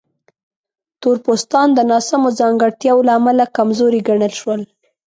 تور پوستان د ناسمو ځانګړتیاوو له امله کمزوري ګڼل شول.